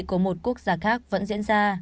của một quốc gia khác vẫn diễn ra